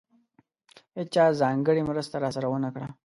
هېچا ځانګړې مرسته راسره ونه کړه.